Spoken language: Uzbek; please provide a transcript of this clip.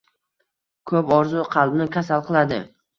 Ko’p orzu qalbni kasal qiladi.